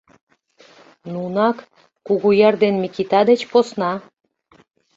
Нунак, Кугуяр ден Микита деч посна.